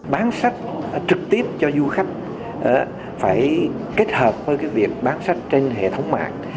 bán sách trực tiếp cho du khách phải kết hợp với việc bán sách trên hệ thống mạng